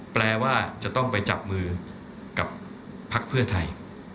แปลว่าจะต้องไปจับมือกับพักเพื่อไทย